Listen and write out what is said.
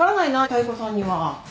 妙子さんには。